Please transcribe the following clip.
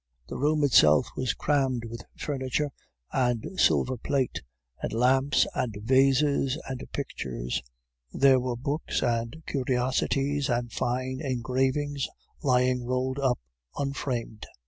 The room itself was crammed with furniture, and silver plate, and lamps, and vases, and pictures; there were books, and curiosities, and fine engravings lying rolled up, unframed.